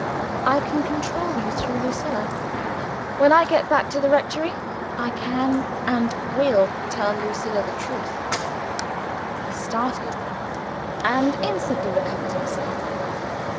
"I can control you through Lucilla. When I get back to the rectory, I can, and will, tell Lucilla the truth." He started and instantly recovered himself.